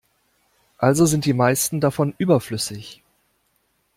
Also sind die meisten davon überflüssig.